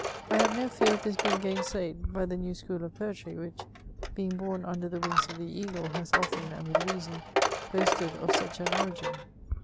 I have no fear of this being gainsayed by the new school of poetiy, which, being bom under the wings of the eagle, has often, and with reason, boasted of such an origin.